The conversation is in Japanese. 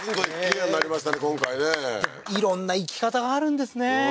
今回ね色んな生き方があるんですね